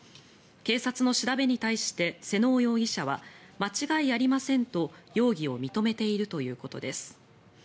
警察の調べに対して妹尾容疑者は間違いありませんと容疑を認めているということです。